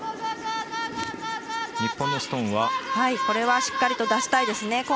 これはしっかりと出したいですね。